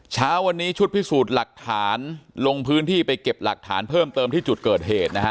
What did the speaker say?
เช้าวันนี้ชุดพิสูจน์หลักฐานลงพื้นที่ไปเก็บหลักฐานเพิ่มเติมที่จุดเกิดเหตุนะฮะ